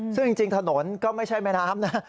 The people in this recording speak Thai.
ซึ่งจริงถนนก็ไม่ใช่แม่น้ำนะ